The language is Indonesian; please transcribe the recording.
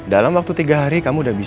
dalam waktu tiga hari kamu udah bisa